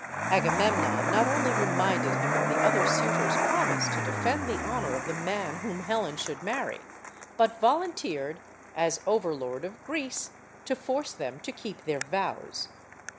Agamemnon not only reminded him of the other suitors* promise to defend the honor of the man whom Helen should marry, but volunteered, as over lord of Greece, to force them to keep their vows.